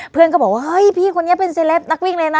เพื่อนก็บอกว่าเฮ้ยพี่คนนี้เป็นเซลปนักวิ่งเลยนะ